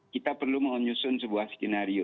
kita perlu menyusun sebuah skenario